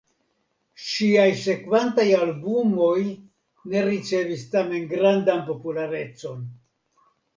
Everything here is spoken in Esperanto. Ŝiaj sekvantaj albumoj ne ricevis tamen grandan popularecon.